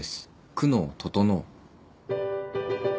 久能整。